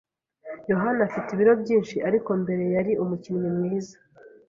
yohani afite ibiro byinshi, ariko mbere yari umukinnyi mwiza.